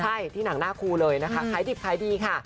ใช่นาธุรกิจของหนังหน้าคุเลยนะคะหายดิบหายดีค่ะ